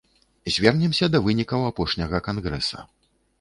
Звернемся да вынікаў апошняга кангрэса.